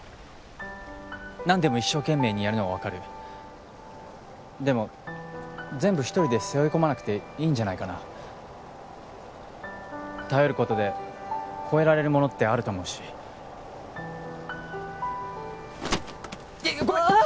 何でも一生懸命にやるのは分かるでも全部１人で背負い込まなくていいんじゃないかな頼ることで超えられるものってあると思うしええっごめん！